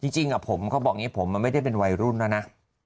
จริงผมเขาบอกอย่างนี้ผมมันไม่ได้เป็นวัยรุ่นแล้วนะ